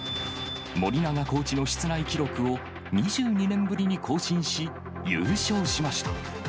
森長コーチの室内記録を、２２年ぶりに更新し、優勝しました。